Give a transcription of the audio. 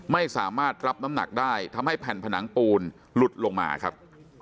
ไม่สามารถรับน้ำหนักได้ทำให้แผ่นผนังปูนหลุดลงมาครับ